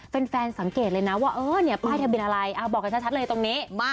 แฟนสังเกตเลยนะว่าเออเนี่ยป้ายทะเบียนอะไรบอกกันชัดเลยตรงนี้